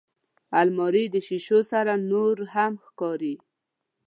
الماري د شیشو سره نورهم ښکاري